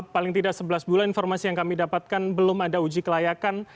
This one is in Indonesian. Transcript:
paling tidak sebelas bulan informasi yang kami dapatkan belum ada uji kelayakan